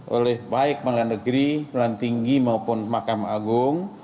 oleh baik malang negeri malang tinggi maupun makam agung